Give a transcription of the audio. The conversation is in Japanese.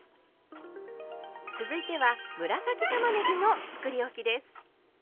続いては紫たまねぎのつくりおきです。